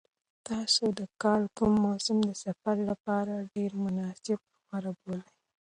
تاسو د کال کوم موسم د سفر لپاره ډېر مناسب او غوره بولئ؟